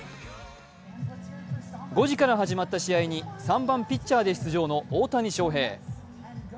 ５時から始まった試合に３番・ピッチャーで出場の大谷翔平。